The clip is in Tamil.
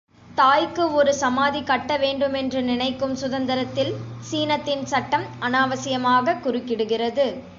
தாய்க்கு ஒரு சமாதி கட்ட வேண்டுமென்று நினைக்கும் சுதந்திரத்தில் சீனத்தின் சட்டம் அனாவசியமாகக் குறுக்கிடுகிறது.